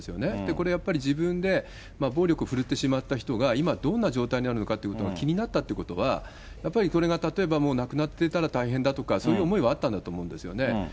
これやっぱり、自分で暴力振るってしまった人が今、どんな状態にあるのかってことが気になったということは、やっぱりこれが例えばもう亡くなっていたら大変だとか、そういう思いはあったんだと思うんですよね。